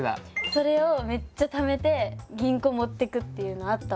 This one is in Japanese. それをめっちゃためて銀行持ってくっていうのあったわ。